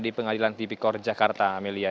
di pengadilan tipikor jakarta amelia